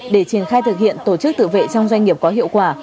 để triển khai thực hiện tổ chức tự vệ trong doanh nghiệp có hiệu quả